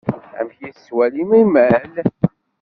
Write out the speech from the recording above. Amek ay tettwalim imal?